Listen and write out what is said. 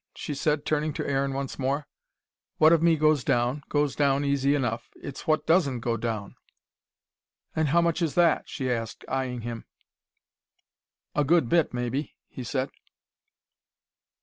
she said, turning to Aaron once more. "No, I can't say that," he answered. "What of me goes down goes down easy enough. It's what doesn't go down." "And how much is that?" she asked, eying him. "A good bit, maybe," he said.